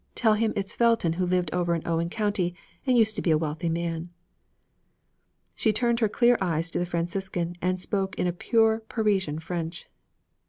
Tell him it's Felton who lived over in Owen County and used to be a wealthy man.' She turned her clear eyes to the Franciscan and spoke in a pure Parisian French.